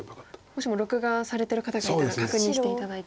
もしも録画されてる方がいたら確認して頂いて。